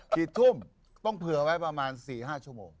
กี่ทุ่มต้องเผื่อไว้ประมาณ๔๕ชั่วโมง